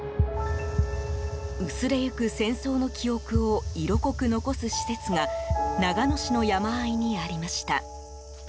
薄れゆく戦争の記憶を色濃く残す施設が長野市の山あいにありました。